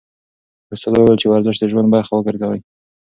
استاد وویل چې ورزش د ژوند برخه وګرځوئ.